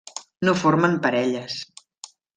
No formen parelles.